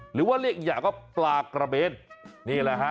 หรือว่าเรียกอีกอย่างว่าปลากระเบนนี่แหละฮะ